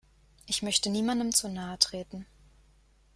Ich möchte niemandem zu nahe treten.